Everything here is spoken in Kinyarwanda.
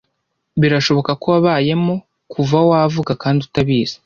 Birashoboka ko wabayemo kuva wavuka kandi utabizi,